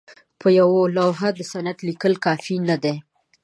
په یوه لوحه د سند لیکل کافي نه دي.